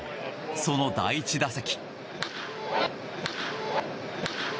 その第１打席。